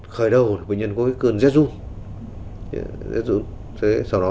khởi đầu bệnh nhân có cái cơn rét ru sau đó thì xuất hiện sốt